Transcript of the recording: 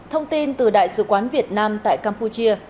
thông tin từ đại sứ quán việt nam tại campuchia